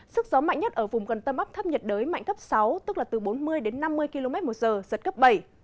sức gió mạnh nhất ở vùng gần tâm áp thấp nhiệt đới mạnh cấp sáu tức là từ bốn mươi đến năm mươi km một giờ giật cấp bảy